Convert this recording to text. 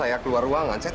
saya tuh petang nelayan deh